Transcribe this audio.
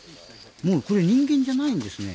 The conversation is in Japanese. これ、人間じゃないんですね。